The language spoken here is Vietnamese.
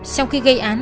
sau khi gây án